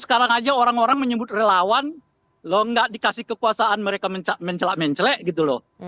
sekarang aja orang orang menyebut relawan loh nggak dikasih kekuasaan mereka mencelak mencelek gitu loh